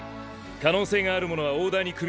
可能性があるものはオーダーに組みこもう。